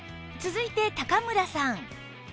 続いて高村さん